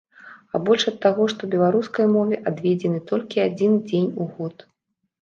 А больш ад таго, што беларускай мове адведзены толькі адзін дзень у год.